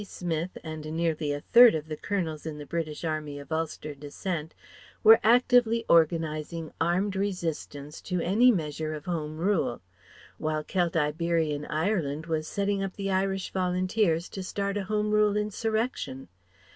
E. Smith and nearly a third of the Colonels in the British Army of Ulster descent were actively organizing armed resistance to any measure of Home Rule; while Keltiberian Ireland was setting up the Irish Volunteers to start a Home Rule insurrection.